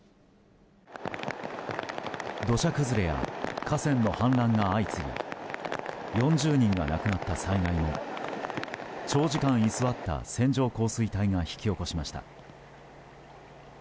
土砂崩れや河川の氾濫が相次ぎ４０人が亡くなった災害も長時間、居座った線状降水帯が引き起こしました。